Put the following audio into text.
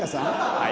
はい。